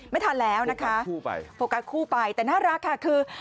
ไม่ทันแล้วนะคะคู่ไปโฟกัสคู่ไปแต่น่ารักค่ะคือ